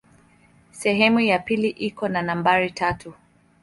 Sehemu ya pili iko na nambari tatu.